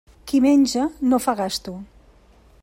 Qui menja, no fa gasto.